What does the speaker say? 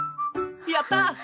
やった！